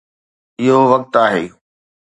اهو وقت آهي